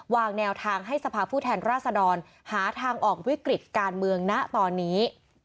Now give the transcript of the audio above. วางแนวทางให้สภาพผู้แทนราษดรหาทางออกวิกฤติการเมืองนะตอนนี้